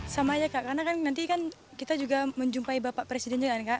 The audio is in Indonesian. sama aja kak karena kan nanti kan kita juga menjumpai bapak presiden juga kak